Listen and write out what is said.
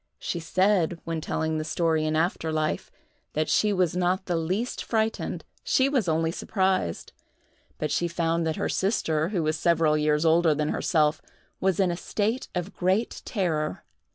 She said, when telling the story in after life, that she was not the least frightened—she was only surprised! but she found that her sister, who was several years older than herself, was in a state of great terror.